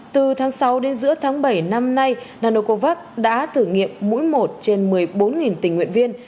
từ tháng sáu đến giữa tháng bảy năm nay nanocovax đã thử nghiệm mũi một trên một mươi bốn tình nguyện viên